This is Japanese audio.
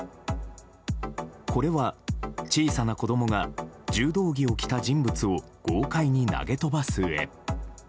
これは、小さな子供が柔道着を着た人物を豪快に投げ飛ばす絵。